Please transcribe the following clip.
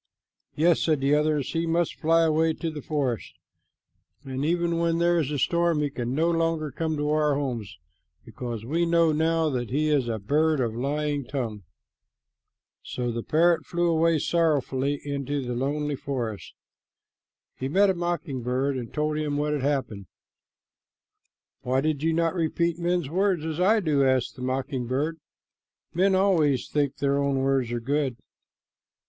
"Yes," said the others, "he must fly away to the forest, and even when there is a storm, he can no longer come to our homes, because we know now that he is a bird of a lying tongue." [Illustration: "THIS BIRD HAS ALWAYS TOLD THE TRUTH"] So the parrot flew away sorrowfully into the lonely forest. He met a mocking bird and told him what had happened. "Why did you not repeat men's words as I do?" asked the mocking bird. "Men always think their own words are good."